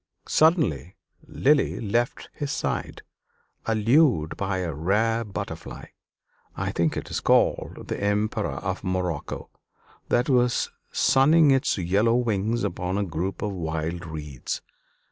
Suddenly Lily left his side, allured by a rare butterfly I think it is called the Emperor of Morocco that was sunning its yellow wings upon a group of wild reeds.